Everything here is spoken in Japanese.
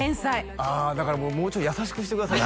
あだからもうもうちょい優しくしてください